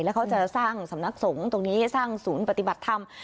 แล้วเขาจะสร้างสำนักสงฆ์ตรงนี้สร้างศูนย์ปฏิบัติธรรม